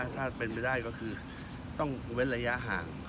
ถ้าเป็นไปได้ก็คือต้องเว้นระยะห่าง